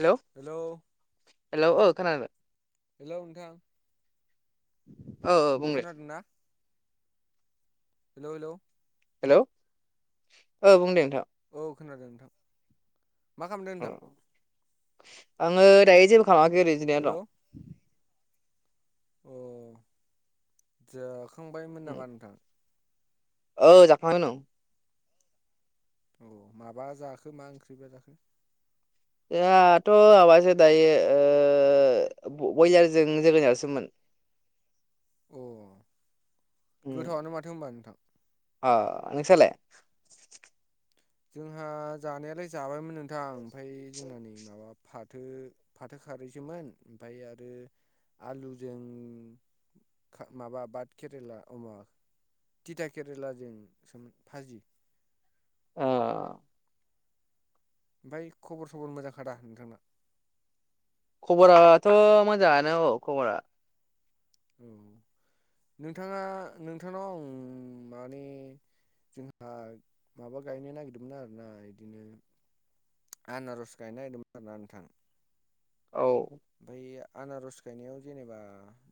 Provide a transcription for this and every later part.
Hello hello ओ खोनादों hello नोंथां औ औ बुं दे खोनादों ना हेलौ हेलौ हेलौ औ बुंदों नोंथां। औ खोनादों नोंथां मा खामदों नोंथां आंङो दायो जेबो खालामाखै ओरैनो जिरायना हेलौ दं अ जाखांबायमोन दं नामा नोंथां। औ जाखांना दं औ माबा जाखो मा ओंख्रिबो जाखो ओहाथ' माबासो दायो ओ बयलारजों जोगोनारसोमोन अ गोथावआनो माथो होमबा नोंथां अ नोंसालाय जोंहा जानायालाय जाबायमोन नोंथां ओमफ्राय जोंना नै माबा फाथो फाथो खारैसोमोन ओमफाय आरो आलुजों माबा बाद केरेला अमा थटिथा केरेलाजों सोमोन फाजि अ ओमफ्राय खबर सबर मोजांखादा नोंथांना खबराथ' मोजाङानो औ खबरा नोंथाङा नोंथांनाव आं माने जोंहा माबा गायनो नागिरदोंमोन आरोना इदिनो आनारज गायनोगिरदोंमोन आरोना नोंथां औ। ओमफ्राय आनारस गायनायाव जेनेबा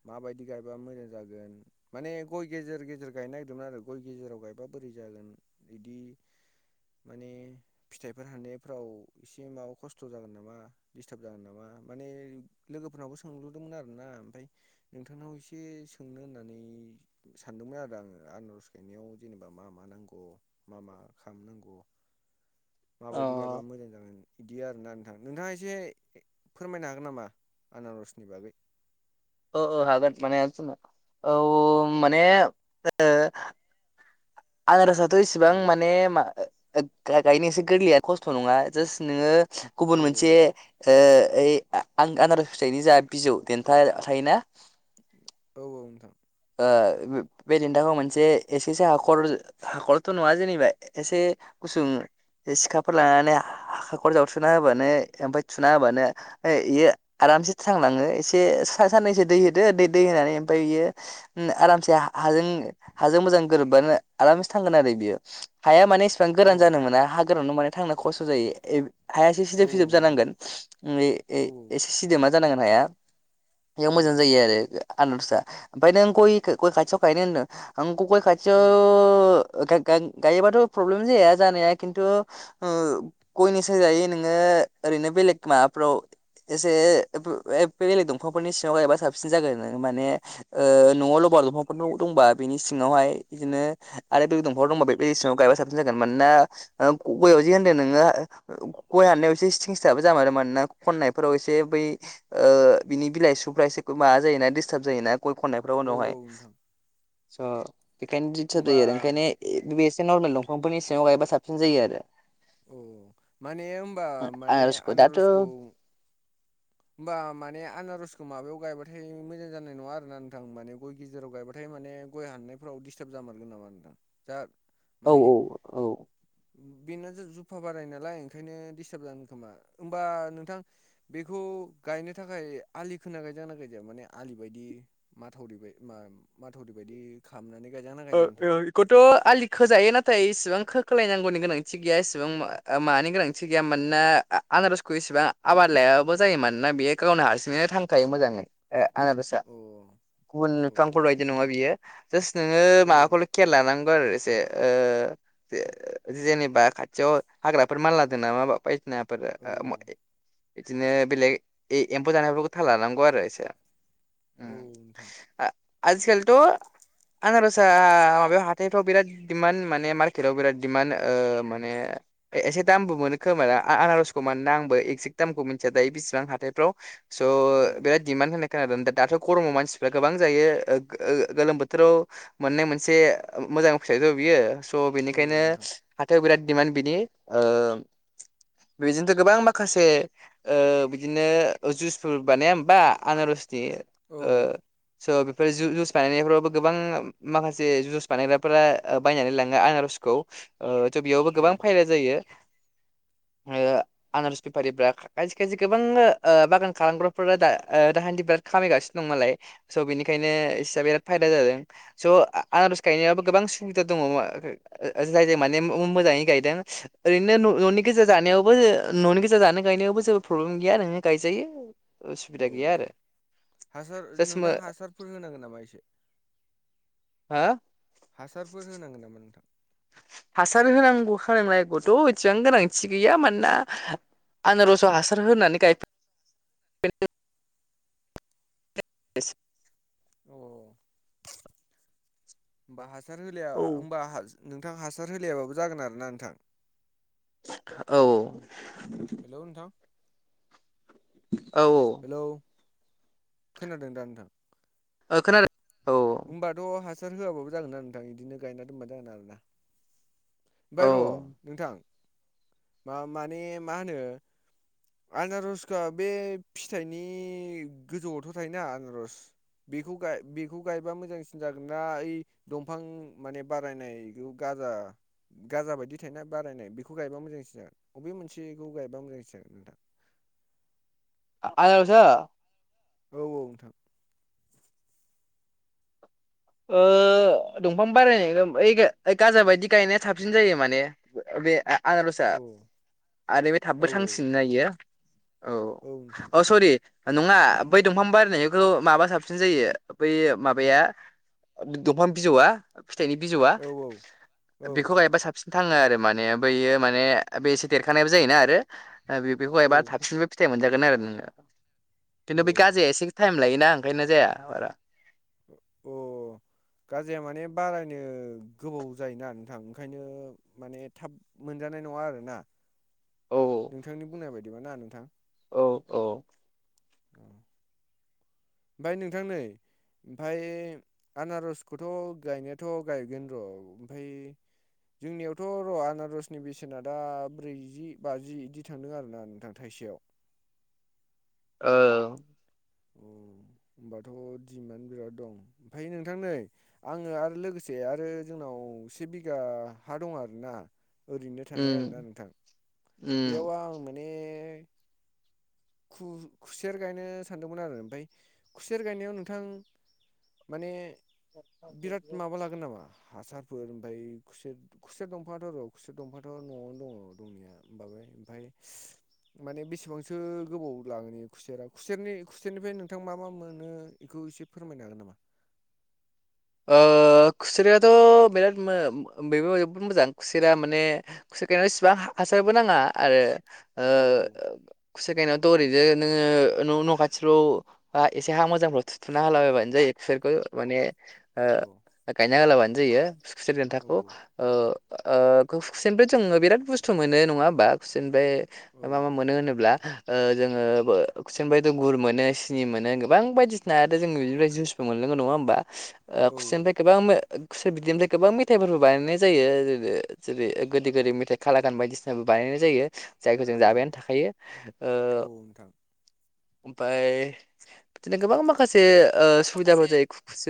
माबायदि गायबा मोजां जागोन माने गय गेजेर गेजेर गायनो नागिरदोंमोन आरो गय गेजेराव गायबा बोरै जागोन बिदि माने फिथाइफोर हाननायफ्राव एसे माबा खस्थ' जागोन नामा दिडिस्टार्ब जागोन नामा माने लोगोफोरनावबो सोंलुदोंमोन आरो ना ओमफ्राय नोंथांनाव एसे सोंनो होननानै सानदोंमोन आरो आङो आनारज गायनायाव जेनेबा मा मा नांगौ मा मा ओ खालामाम नांगौ अ माबायदि गायबा मोजां जागोन बिदि आरोना नोंथां नोंथाङा एसे फोरमायनो हागोन नामा आनारसनि बागै अ औ हागोन मानो हाया जानो औ माने ओ आनराजथ' इसेबां औ माने मा गायनोसो गोरलैया खस्थ' नङा जास्ट नोङो औ गुबुन औ मोनसे नोंथां ओ ओइ आं आनारस फिथाइनि जा बिजौ देन्था थायोना औ नोंथां ओ बे देन्थाखौ मोनसे एसेसो हाखर हाखरथ' नङा जेनेबा एसे सोङो सिखाफोर लानानै हाखा खर जावथुना होबानो ओमफफ्राय थुना होबानो बेयो आरामसे थांनाङो एसे सा साननैसो दै होदो दै होनानै ओमफ्राय बियो आरामसे हाजों हाजों मोजां गोरोबबानो आरामसे थांगोन आरो बियो। हाया माने माने एसेबां‌ अ गोरान जानो मोना हा गोरानाव माने थांनो खस्थ जायों। हाया इसे औ सिदोब-सिदोब औ नोंथां जानांगोन। ए-ए औ एसे सिदोमा जानांगोन हाया बेयाव औ मोजां जायो आरो आनारसा। ओमफ्राय नों गय गय खाथियाव गायनो होनदों आं गय औ खाथियाव गा-गा-गायोबाथ' प्रब्लेम जाया जानाया खिन्थु ओ गयनिसो जायै नोङो ओ-ओरैनो बेलेक माबाफ्राव एसे-ए-ए बेलेग दंफांफोरनि सिङाव गायबा साबसिन जागोन माने ओ न'आव लबार दंफांफोर दंबा बिनि सिङावहाय बिदिनो आरो बे दंफांफोर दंबा बे सिङाव गा साबन जागोन मानोना ग जे होनदो नोङो गय हानायाव एसे सिं सिथाब जामारो आरो मोन ना खननायफोराव एसे बै बिनि बिलाइ सुफ्रा एसे माबा जायोोना डिस्टार्ब जायोना गय खननायफ्राव औ उनावहाय औ नोंथां बेखायनो दिथार होमबा [unintelligible] औ माने होनबा माने दाथ' आनारसखौ औ होमबा माने आनारसखौ माबायाव गायबाथाय मोजां जानाय नङा आरो ना नोंथां माने गय गेजेराव गायबाथाय माने गय हाननायफोराव दिडिस्टार्ब जामारगोन नामा नोंथां जा औ औ औ। बेनो जुफा बाराय नालाय ओंखायनो दिडिस्टार्ब जानो खोमा होमबा नोंथां बे खौ गायनो थाखाय आलि खोना गायजा ना गायजाया माने आलि बायदि माथावरि माथावरि बायदि खालामनानै गायजागोना गायजाया नोंथां बेखौथ' आलि खोजायो नाथाय इसिबां खोखोलायनांगौनि गोनांथि गैया इसेबां माबानि गोनांथि गैया मानोना आनाजखौ इसेबां आबाद फोरलायाबो जायो मानोना बेयो गावनो हारसिङैनो थांखायो मोजाङै आनाबसा अ गुबुन अ औ बिफांफोर बायदि नङा बियो जास नोङो औ माबाखौल' खेल लानांगौ आरो जेनेबा खाथियाव हाग्राफोर मालला द नामा बायदिना [unintelligible] औ बिदिनो बेलेग एम्फौ जानायफोरखौ था लानांगौ आरो एसे उम औ नोंथां आ- आजिखालिथ' आनारसा माबायाव हाथायथ' बिराद मानहोनो माने मार्केटव बिराद दिमान्ड मे एसे दामबो मोनो खोमा आनाराखौना मानोना आंबो एकजक दामखौ मिथिया दायो बेसिबां हाथायफ्राव स' औ बिराद दिडिमान्ड होननाय खोनादों दाथ' गरम मानसिफ्रा गोबां जायो गोलोम बोथोर फोथोराव मोननाय मोनसे मोजां फिथाइथ' बियो औ नोंथां दिमान ओ बिनि बेदिनोथ' गोबां माखासे बिदिनो जुसफोर बानाया होमबा जो औ ओ स' बेफोर जु जुइस बायनायफ्रावबो गोबां माखासे जुइस बानायग्राफोरा बायनानै लाङो आनारसखौ थ' बेयावबो गोबां औ फायला जायो। [inaudible] आनारस बेफारिफोरा खायसे खायसे गोबां ओ बिराद खामायगासिनो दं नालाय स' बिनिखायनो इसआ बिराद फायदा जादों स आनज गायनायाबो गोबां सुबिदा दङ जायजों मान मोजां गाय ओरैनो न'निनि जानो गायनायावबो जेबो प्रब्लेम गैया नोंनो गायजायो औ उसुबिदा गैया आरो हासार जास्ट नोंथां हासारफोर होनांगोन नामा एसे हा हासारफोर होनांगोन नामा नोंथां? हासार होनांगौ होनोंलायगौथ' एसेबां गोनांथि गैया मानोना आनारस हासार होनानै गायफेर एस अ होमबा हासार होलाया औ होमबा नोंथां हासार होलायाबाबो जागोन आरो ना नोंथां औ औ हेलौ नोंथां औ औ हेलौ खोनादों दा नोंथां। ओ खोनादो। होमबाथ' हासार होआबाबो जागोन आरो नोंथां बिदिनो गायना दोनबानो जागोन आरोना। ओमफ्राय औ र' नोंथां मा माने मा होनो आनारसखो बे फिथाइनि गोजौआवथ' थायोना आनारस बेखौ गायो बेखौ गायबा मोजांसिन जागोन ना ओइ दंफां माने बारायनायखौ गा जा गाजा बायदि थायना बारायनाय बेखौ गायबा मोजांसिन जागोन बबे मोनसेखौ गायबा मोजांसिन जागोन नोंथां [inaudible] आनारसा औ औ नोंथां ओ दंफां बारायनायनिखै ओ गाजा बायदि गायनाया साबसिन जायो माने बे आ आनारसा औ आरो बे थाबबो औ थांसिनोना इयो औ नोंथां अ सरि नङा बै दंफां बारायनायखौ माबा साबसिन जायो बैयो माबाया दंफां बिजौआ फिथाइनि बिजौआ औ औ नोंथां औ बेखौ गायबा साबसिन थाङो आरो माने बैयो माने बे एसे देरखानायबो जायोना आरो ओ बेखौ औ औ गायबा थाबसिनबो फिथाइ मोनजागोन आरो नोङो खिन्थु बेै औ गाजया एसे टाइम लायोना ओंखायनो जाया बारा अ गाजाया माने बारायनो गोबाव जायोना नोंथां ओंखायनो माने थाब मोनजा नाय नङा आरोना औ नोंथांनि बुंनाय बायदिबा ना नोंथां औ औ [inaudible] फाय नोंथां नै ओमफाय आनारसखौथ' गायनायाथ' गायगोन र' ओमफाय जोंनियावथ' र' आनारसनि बेसेना दा ब्रैजि बाजि बिदि थांदों आरोना नोंथां थाइसे सेयाव ओ उम होमबाथ' दिमान्ड बिराद दं ओमफ्राय नोंथां नै आङो आरो लोगोसे आरो जोंनाव औ से बिघा हा दं आरो ना ओरैनो थानाय आरोना उम नोंथां बेयाव आं माने खु-खुसेर गायनो सानदोंमोन आरो ओमफाय खुसेर गायनायाव नोंथां माने बिराद उम माबा लागोन नामा हासारफोर ओमफाय खुसेर खुसेर दंफाङाथ' र' खुसिया दंफाथ' न'आवनो दङ दंनाया बाङाय ओमफाय माने बेसेबांसो गोबाव लागोन इयो खुसेरा खुसेरनि खुसेरनिफ्राय नोंथां मा मा मोनो बेखौ एसे फोरमायनो हागोन नामा? [inaudible] ओ खुसेराथ' बिराद मो बेबो जोबोद मोजां खुसेरा माने खुसे गायनाय सेबां हासारबो नाङा आरो ओ औ खुसेर गाायनायावथ' ओरैनो न न' खाथिफ्राव एसे हा मोजांफ्राव थुथुना होलाबायबानो जायो खुसेरखौ माने ओ औ गायना होलाबानो जायो खुसेर औ देन्थाखौ ओ खुसेरनिफ्राय जोङो बिराद बुस्थु मोनो नङा होमबा खुसेरनिफ्राय मा मा मोनो होनोब्ला ओ जोङो खुसेरनिफफ्राय गुर मोनो सिनि मोनो गोबां बायदिसिना आरो जों बिफ्राय जुइस मोनलोङो नंआ होनबा ओ औ खुसेरनिफ्राय गोबां मो खुसेर बिदैनिफ्राय गोबां मेथाइफोरबो बानायनाय जायो जेरै ओ गोदै गोदै मेथाइ खालागान बायदिसिनाबो बानायनाय जायो जायखौ औ जों जाबायानो थाखायो ओ औ नोंथां ओमफाय बिदिनो गोबां माखासे ओ सुबिदाफोर जायो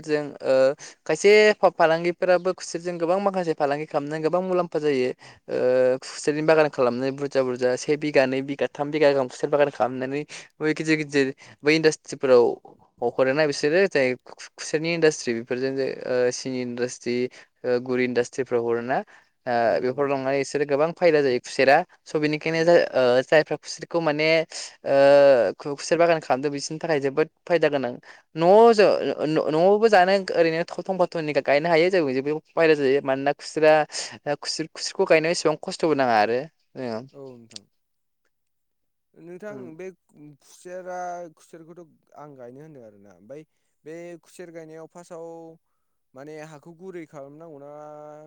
जों ओ खायसे फा-फालांगिफोराबो खुसेरजों गोबां माखासे फालांगि खालामनानै गोबां मुलाम्फा जायो ओ खुसेरनि बागान खालामनो बुरजा बुरजा से बिघा नै बिघा थाम बिगा गाहाम खुसेर बागान खालामनो बे गिदिर गिदिर बै इन्डासट्रिफोराव हरोना बिसोरो जाय खुसेरनि इन्डासट्रि बेफोरजों सिनि इन्डास्ट्रि गुर इन्डासट्रिफ्राव हरोना औ औ बेफोर नोंथां लांनानै बिसोरो गोबां फायदा जायो खुसेरा स' औ बेनिखायनो जायफ्रा खुसेर खौ माने खुसेर बागान खालामदों बिसोरनि थाखाय जोबोद फायदा गोनां नज औ नआवबो जानो ओरैनो थाव थं फाथननि गायनो हायो जों बायरेल जायो मानोना खुस्रा खु खुसेरखौ गायनो एसेबां खस्थबो नाङा आरो औ नोंथां नोंथां बे खुसेरा खुसेरखौथ आं गायनो होनदों आरोना ओमफ्राय बे खुसेर गायनायाव फार्स्टआव औ माने हाखौ गुरै खालामनांगौना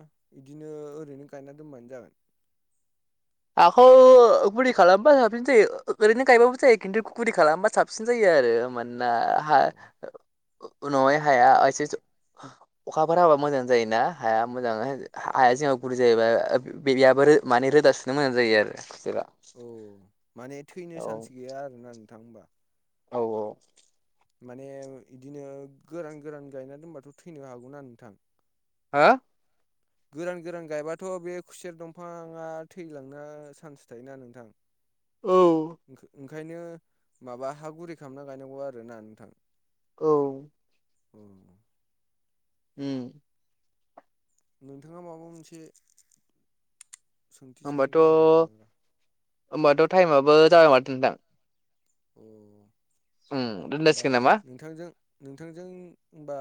बिदिनो ओरैनो गायना दोनबानो जागोन [unintelligible] हाखौ गुरै खालामबा साबसिन जायो ओरैनो गायबाबो जायो खिन्थु गुरै खालामबा साबसिन जायो आरो आरो मानोना अ उनावाय हाया एसे अखाफोर हाबा मोजां जायोना हाया मोजां हाया गुरै जायोबा बेयाबो माने रोदा सुनो मोजां जायो आरो बिसबा औ माने थैनो चान्स गैया आरोना नोंथां होनबा औ औ माने बिदिनो गोरान गोरान गायना दोनबाथ' थैनो हागौनाा नोंथां हा गोरान गोरान गायबाथ बे खुसेर दंफाङा थैलांना चान्स थायोना नोंथां औ ओंखायनो माबा हा गुरै खालामना गायनांगौ आरो ना नोंथां औ उम उम नोंथाङा माबा मोनसे सोंथि सोंनो होमबाथ' लुबैदोंमोन नामारा होमबाथ' टाइमाबो जाबाय माथो नोंथां अ दोनजा होमबा सिगोन नामा नोंथांजों नोंथांजों हबा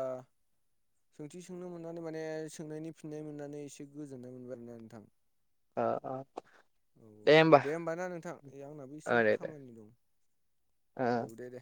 सोंथि सोंनो मोननानै माने सोंनायनि फिननाय मोननानै एसे गोजोननाय मोनबाय आरो ना नोंथां अ अ औ औ दे होमबा ना नोंथां आंनाबो एसे ओ दे दे खामानि दं ओ औ दे दे